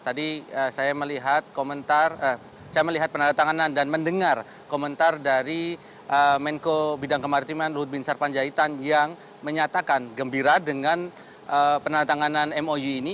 tadi saya melihat penanda tanganan dan mendengar komentar dari menko bidang kemaritiman ludwin sarpanjaitan yang menyatakan gembira dengan penanda tanganan mou ini